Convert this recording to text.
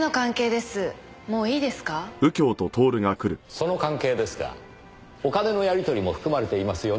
その関係ですがお金のやり取りも含まれていますよね？